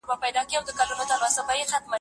او ګوښه نشین شي